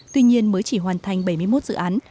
tuy nhiên mới chỉ hoàn thành bảy mươi một dự án